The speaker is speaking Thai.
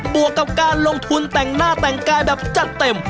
วกกับการลงทุนแต่งหน้าแต่งกายแบบจัดเต็ม